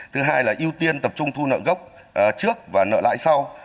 thứ hai là ưu tiên tập trung thu nợ gốc trước và nợ lại sau